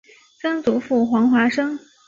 曾祖父黄华生。